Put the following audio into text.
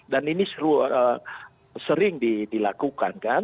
dan ini sering dilakukan kan